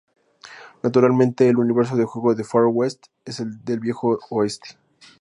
Naturalmente el universo de juego de "Far West" es el del viejo oeste.